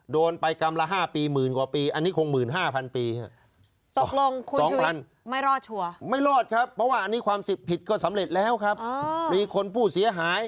โดนไปกรรมละ๕ปีหมื่นของปีอันนี้คง๑๕๐๐๐ปี